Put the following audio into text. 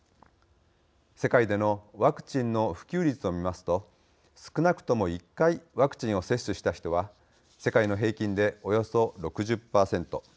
世界でのワクチンの普及率を見ますと、少なくとも１回ワクチンを接種した人は世界の平均で、およそ６０％。